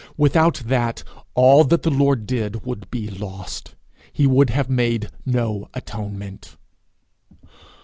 Without that, all that the Lord did would be lost. He would have made no atonement.